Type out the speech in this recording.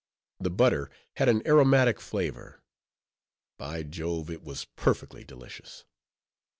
The butter had an aromatic flavor; by Jove, it was perfectly delicious.